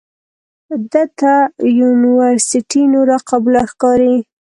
ده ته یونورسټي نوره قبوله ښکاري.